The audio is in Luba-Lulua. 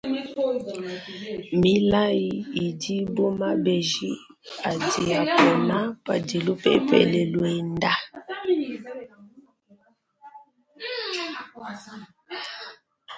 Milayi idi bu mabeji, adi apona padi lupepele luenda.